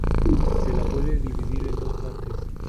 Se la puede dividir en dos partes.